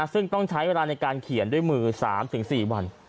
ซึ่งต้องใช้เวลาในการเขียนด้วยมือ๓๔วัน